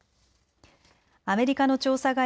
アメリカの調査